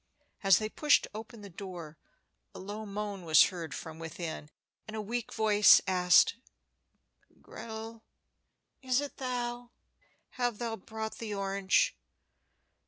As they pushed open the door, a low moan was heard from within, and a weak voice asked, "Gretel, is it thou? Hast thou brought the orange?"